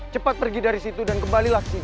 cepat pergi dari situ dan kembalilah ke sini